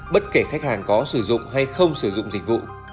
bất kể khách hàng có sử dụng hay không sử dụng dịch vụ